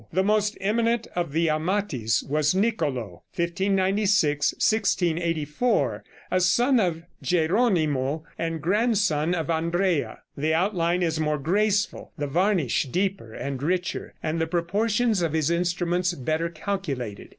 The most eminent of the Amatis was Nicolo, 1596 1684, a son of Geronimo and grandson of Andrea. The outline is more graceful, the varnish deeper and richer, and the proportions of his instruments better calculated.